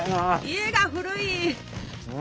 家が古い！